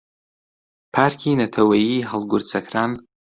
پارکی نەتەوەییی هەڵگورد سەکران